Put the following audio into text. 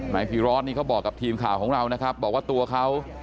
พีร้อนนี่เขาบอกกับทีมข่าวของเรานะครับบอกว่าตัวเขา